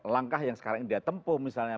langkah yang sekarang ini dia tempuh misalnya